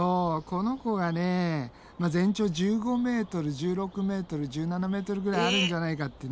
この子がね全長１５ｍ１６ｍ１７ｍぐらいあるんじゃないかってね。